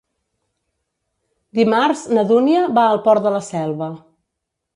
Dimarts na Dúnia va al Port de la Selva.